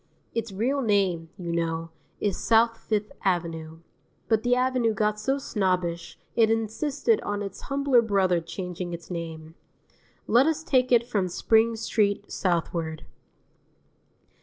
Its real name, you know, is South Fifth Avenue; but the Avenue got so snobbish it insisted on its humbler brother changing its name. Let us take it from Spring Street southward.